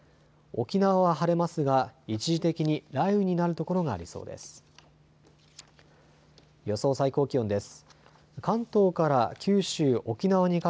沖縄は晴れますが、一時的に雷雨になるところがありそうです。